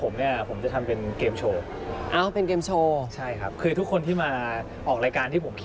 แบบว่าเฮ้ยวันนี้เรามาทำกันด้วย